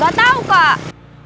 gak tau kak